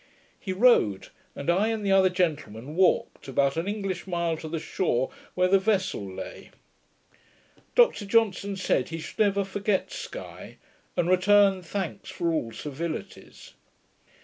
He rode, and I and the other gentlemen walked, about an English mile to the shore, where the vessel lay. Dr Johnson said, he should never forget Sky, and returned thanks for all civilities.